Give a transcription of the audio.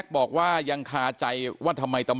มันไม่ใช่อ่ะ